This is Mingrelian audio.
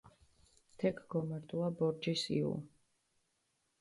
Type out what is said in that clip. თექ გომარტუა ბორჯის იჸუ.